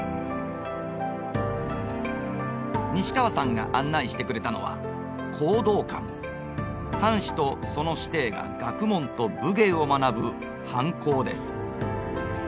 西川さんが案内してくれたのは藩士とその師弟が学問と武芸を学ぶ藩校です。